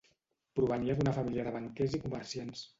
Provenia d'una família de banquers i comerciants.